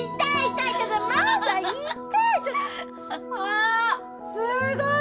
あすごい！